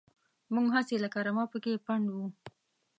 موږ هسې لکه رمه پکې پنډ وو.